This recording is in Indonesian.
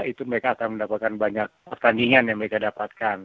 itu mereka akan mendapatkan banyak pertandingan yang mereka dapatkan